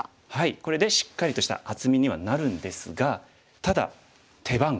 これでしっかりとした厚みにはなるんですがただ手番が黒に渡りましたね。